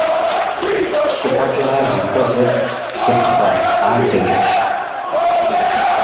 Щӏыпӏэкӏэ ар зыхуэзэр «Шыкхъэ» адэкӏэщ.